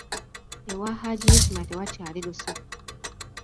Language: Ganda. Ewa Hajji Ismah tewakyali lusuku.